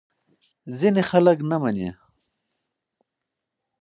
ځینې خلک نه مني.